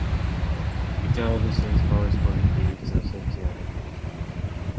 Richter's dismissal caused consternation in the Seattle arts community.